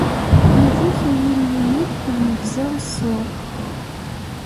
Yid-k, ay Illu-iw, ad neggzeɣ i ṣṣur.